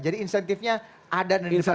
jadi insentifnya ada dan dipermatakan